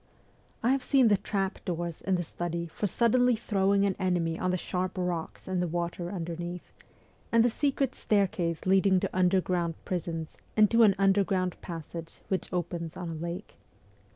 I have seen the trap doors in the study for suddenly throwing an enemy on the sharp rocks in the water underneath, and the secret staircase leading to underground prisons and to an underground passage which opens on a lake.